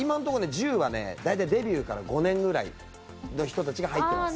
１０はね大体デビューから５年ぐらいの人たちが入ってます。